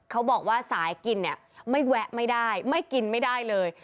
เขาบอกว่าสายกินเนี่ยไม่แวะไม่ได้ไม่กินไม่ได้เลย